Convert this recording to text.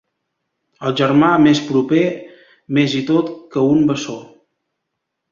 El germà més proper, més i tot que un bessó.